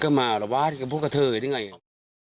ก็มาระวาดกับพวกเธออย่างนั้นไง